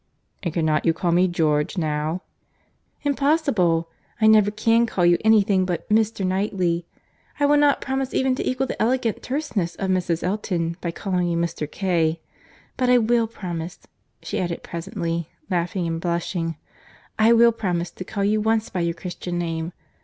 "And cannot you call me 'George' now?" "Impossible!—I never can call you any thing but 'Mr. Knightley.' I will not promise even to equal the elegant terseness of Mrs. Elton, by calling you Mr. K.—But I will promise," she added presently, laughing and blushing—"I will promise to call you once by your Christian name.